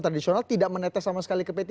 tradisional tidak menetes sama sekali ke p tiga